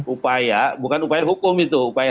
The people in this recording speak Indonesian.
upaya bukan upaya hukum itu